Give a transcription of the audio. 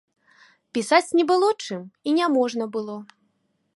Пісаць не было чым, і няможна было.